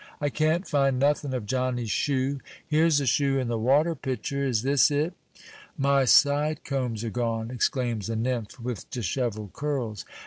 "I can't find nothin' of Johnny's shoe!" "Here's a shoe in the water pitcher is this it?" "My side combs are gone!" exclaims a nymph with dishevelled curls.